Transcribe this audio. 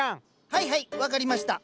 はいはい分かりました。